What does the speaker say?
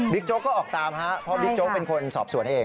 โจ๊กก็ออกตามฮะเพราะบิ๊กโจ๊กเป็นคนสอบสวนเอง